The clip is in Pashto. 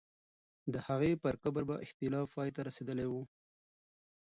د هغې پر قبر به اختلاف پای ته رسېدلی وو.